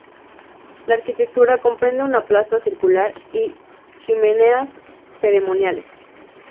La arquitectura comprende una plaza circular y chimeneas ceremoniales.